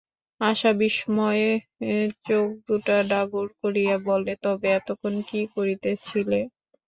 আশা বিস্ময়ে চোখদুটা ডাগর করিয়া বলে, তবে এতক্ষণ কী করিতেছিলে।